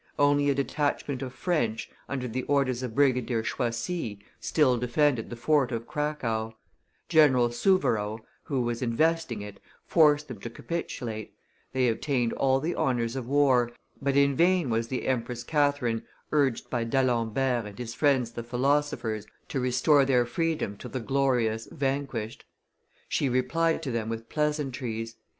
Only a detachment of French, under the orders of Brigadier Choisi, still defended the fort of Cracow; General Suwarrow, who was investing it, forced them to capitulate; they obtained all the honors of war, but in vain was the Empress Catherine urged by D'Alembert and his friends the philosophers to restore their freedom to the glorious vanquished; she replied to them with pleasantries.